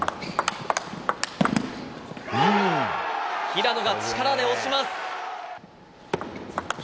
平野が力で押します。